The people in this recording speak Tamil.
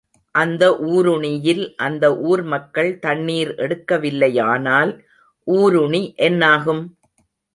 அந்த ஊருணியில் அந்த ஊர்மக்கள் தண்ணீர் எடுக்கவில்லையானால் ஊருணி என்னாகும்?